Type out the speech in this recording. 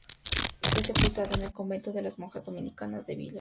Fue sepultada en el Convento de las Monjas Dominicanas de Vila Nova de Gaia.